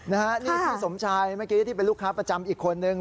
นี่พี่สมชายเมื่อกี้ที่เป็นลูกค้าประจำอีกคนนึง